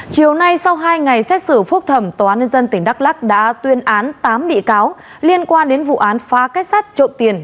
chiều nay sau hai ngày xét xử phúc thẩm tòa án nhân dân tỉnh đắk lắc đã tuyên án tám bị cáo liên quan đến vụ án phá kết sắt trộm tiền